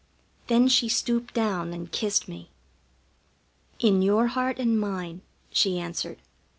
Then she stooped down and kissed me. "In your heart and mine," she answered.